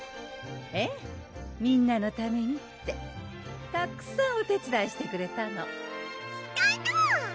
ええみんなのためにってたくさんお手つだいしてくれたのしたの！